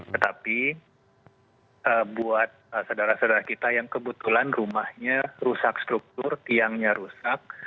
tetapi buat saudara saudara kita yang kebetulan rumahnya rusak struktur tiangnya rusak